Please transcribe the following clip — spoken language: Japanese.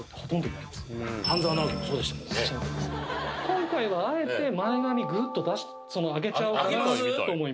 例えば今回はあえて前髪グッと出し上げちゃおうかなと思います